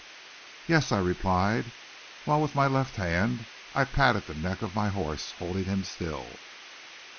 "Yes," I replied, while with my left hand I patted the neck of my horse, holding him still.